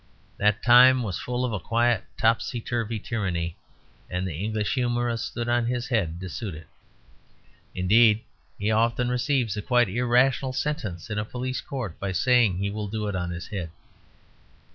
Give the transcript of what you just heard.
That time was full of a quite topsy turvey tyranny, and the English humorist stood on his head to suit it. Indeed, he often receives a quite irrational sentence in a police court by saying he will do it on his head.